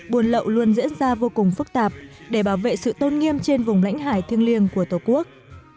buôn lậu luôn diễn ra vô cùng phức tạp để bảo vệ sự tôn nghiêm trên vùng lãnh hải thiêng liêng của tổ quốc